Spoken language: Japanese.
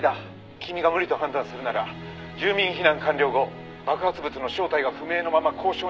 「君が無理と判断するなら住民避難完了後爆発物の正体が不明のまま交渉に入る」